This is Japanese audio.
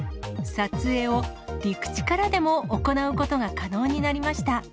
撮影を陸地からでも行うことが可能になりました。